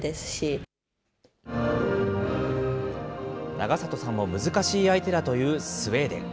永里さんも難しい相手だというスウェーデン。